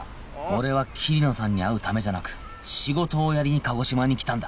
俺は桐野さんに会うためじゃなく仕事をやりに鹿児島に来たんだ